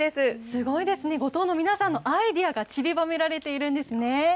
すごいですね、五島の皆さんのアイデアがちりばめられているんですね。